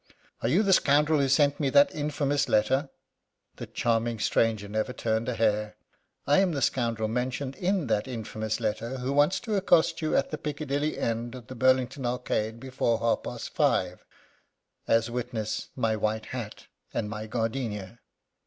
"Are you the scoundrel who sent me that infamous letter?" That charming stranger never turned a hair! "I am the scoundrel mentioned in that infamous letter who wants to accost you at the Piccadilly end of the Burlington Arcade before half past five as witness my white hat and my gardenia."